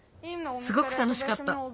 すごくたのしかった。